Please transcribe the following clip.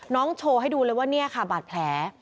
โชว์ให้ดูเลยว่าเนี่ยค่ะบาดแผล